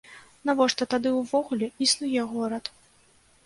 Навошта тады ўвогуле існуе горад?